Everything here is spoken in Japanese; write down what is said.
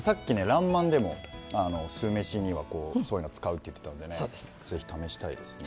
「らんまん」でも酢飯にはそういうの使うって言ってたんでね是非試したいですね。